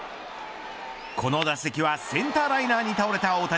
この打席はセンターライナーに倒れた大谷。